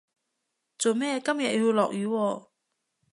做咩今日要落雨喎